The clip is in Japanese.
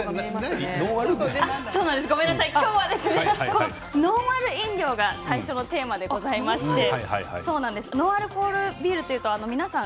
今日はノンアル飲料が最初のテーマでございましてノンアルコールビールというと皆さん